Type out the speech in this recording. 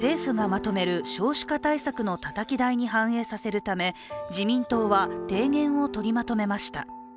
今週、政府がまとめる少子化対策のたたき台に反映させるため、自民党は、提言を取りまとめました。